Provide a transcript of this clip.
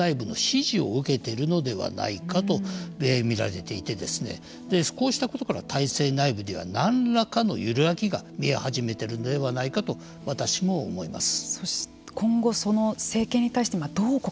これは一定の権力内部の支持を受けているのではないかと見られていてこうしたことから体制内部では何らかの揺らぎが見え始めているのではないかと私も思います。